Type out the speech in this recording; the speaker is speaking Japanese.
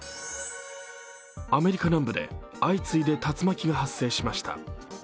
アメリカ南部で相次いで竜巻が発生しました。